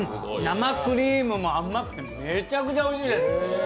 生クリームも甘くてめちゃくちゃおいしいです。